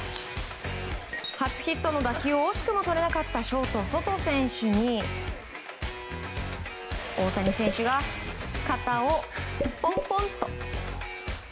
初ヒットの打球を惜しくも取れなかったショート、ソト選手に大谷選手が肩をポンポンと。